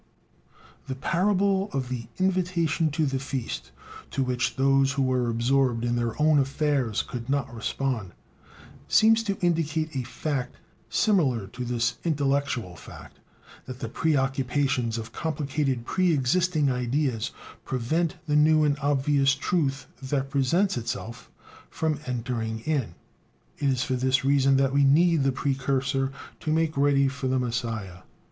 The parable of the invitation to the feast, to which those who were absorbed in their own affairs could not respond, seems to indicate a fact similar to this intellectual fact, that the "preoccupations" of complicated pre existing ideas prevent the new and obvious truth that presents itself, from entering in. It is for this reason that we need the Precursor to make ready for the Messiah.